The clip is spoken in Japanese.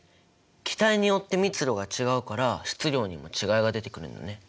気体によって密度が違うから質量にも違いが出てくるんだね。